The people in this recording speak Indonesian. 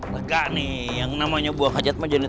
lekak nih yang namanya buah kacat maja nih